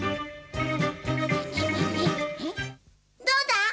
どうだ？